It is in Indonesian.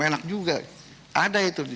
enak juga ada itu